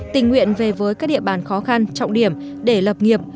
tình nguyện về với các địa bàn khó khăn trọng điểm để lập nghiệp